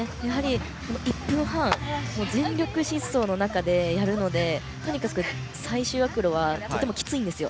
１分半全力疾走の中でやるのでとにかく最終アクロはとてもきついんですよ。